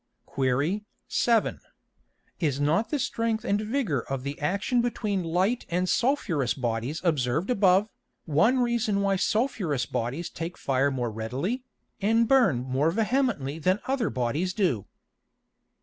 Qu. 7. Is not the strength and vigor of the action between Light and sulphureous Bodies observed above, one reason why sulphureous Bodies take fire more readily, and burn more vehemently than other Bodies do?